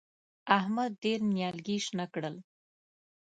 احمد ډېر نيالګي شنه کړل.